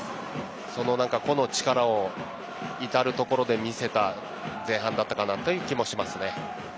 その個の力を至るところで見せた前半だった気がしますね。